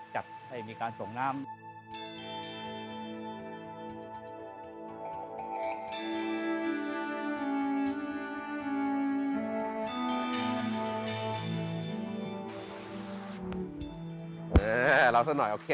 จัดให้มีการส่งน้ำ